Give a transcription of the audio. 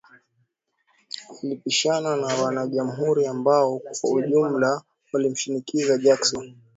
Walipishana na wana Jamhuri ambao kwa ujumla walimshinikiza Jackson